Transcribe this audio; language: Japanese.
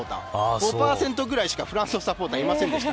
５％ぐらいしかフランスのサポーターは、いませんでした。